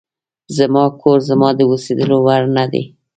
زما کور زما د اوسېدلو وړ نه دی.